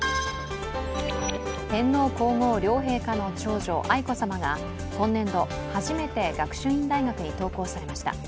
天皇皇后両陛下の長女・愛子さまが今年度初めて学習院大学に登校されました。